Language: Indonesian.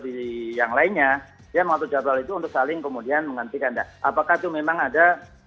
di yang lainnya dia mengatur jadwal itu untuk saling kemudian menghentikan apakah itu memang ada